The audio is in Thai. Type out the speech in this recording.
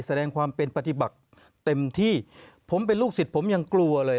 แสดงความเป็นปฏิบัติเต็มที่ผมเป็นลูกศิษย์ผมยังกลัวเลย